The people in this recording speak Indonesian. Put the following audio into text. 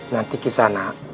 nanti ke sana